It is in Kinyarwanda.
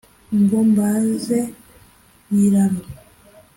ngo mbaze biraro